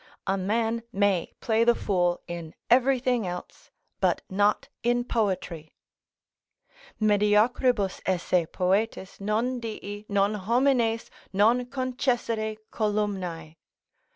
A man may play the fool in everything else, but not in poetry; "Mediocribus esse poetis Non dii, non homines, non concessere columnae."